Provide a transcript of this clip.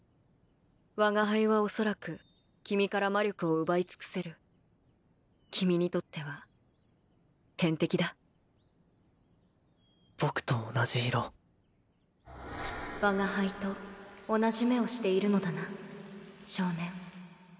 我が輩は恐らく君から魔力を奪い尽くせる君にとっては天敵だ僕と同じ色我が輩と同じ目をしているのだな少年